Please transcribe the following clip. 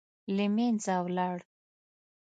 له منځه ولاړ.